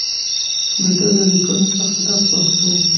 د ده له لیکنو څخه درس واخلو.